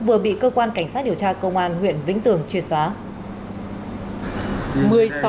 vừa bị cơ quan cảnh sát điều tra công an huyện vĩnh tường triệt xóa